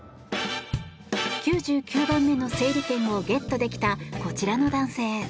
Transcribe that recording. ９９番目の整理券をゲットできたこちらの男性。